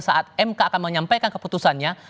saat mk akan menyampaikan keputusannya